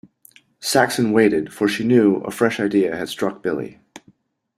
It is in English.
Saxon waited, for she knew a fresh idea had struck Billy.